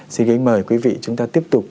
xin kính mời quý vị chúng ta tiếp tục